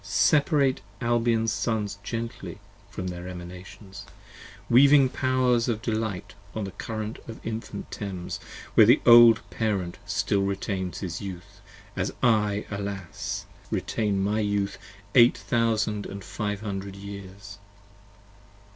Separate Albion's Sons gently from their Emanations, 50 Weaving powers of delight on the current of infant Thames Where the old Parent still retains his youth, as I, alas ! Retain my youth eight thousand and five hundred years.